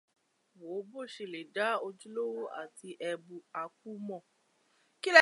Wo bo ṣe le dá ojúlówó àti ẹbu áàpù mọ̀.